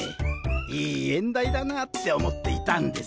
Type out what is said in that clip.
いい縁台だなあって思っていたんです。